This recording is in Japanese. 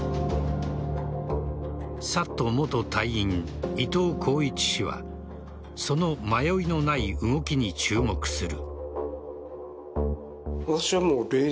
ＳＡＴ元隊員・伊藤鋼一氏はその迷いのない動きに注目する。